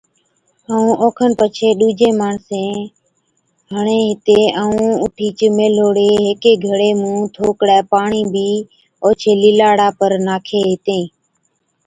ائُون اوکن پڇي ڏُوجين ماڻسين هِڻي هِتين ائُون اُٺِيچ ميھلوڙي ھيڪي گھڙي مُون ٿوڪڙي پاڻِي بِي اوڇي لِلاڙا پر ناکين ھِتين